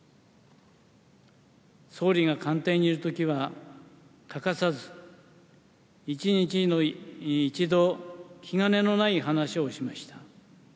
総理が官邸にいるときは欠かさず、１日に１度、気兼ねのない話をしました。